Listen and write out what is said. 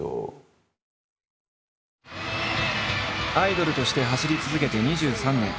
アイドルとして走り続けて２３年。